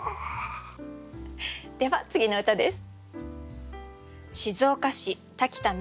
では次の歌です。